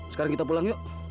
sekarang kita pulang yuk